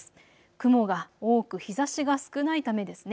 雲が多く日ざしが少ないためですね。